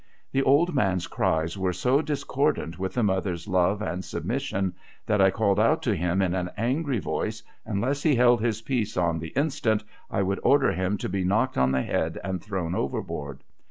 The old man's cries were so discordant with the mother's love and submission, that I called out to him in an angry voice, unless he held his peace on the instant, I would order him to be knocked on the liead and thrown overboard.